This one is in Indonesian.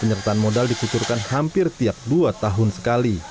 penyertaan modal dikucurkan hampir tiap dua tahun sekali